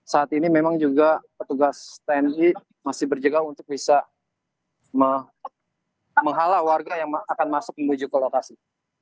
saat ini memang juga petugas tni masih berjaga untuk bisa menghalau warga yang akan masuk menuju ke lokasi